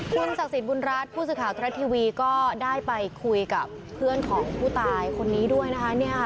คุณศักดิ์สิทธิบุญรัฐผู้สื่อข่าวทรัฐทีวีก็ได้ไปคุยกับเพื่อนของผู้ตายคนนี้ด้วยนะคะ